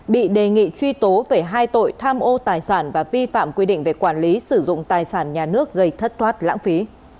bị đề nghị truy tố về hai tội tham ô tài sản và vi phạm quy định về quản lý sử dụng tài sản nhà nước gây thất thoát lãng phí